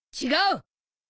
違う！